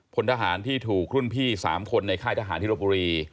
พลทหารที่ถูกรุ่นพี่๓คนในค่ายทหารที่รบบุรี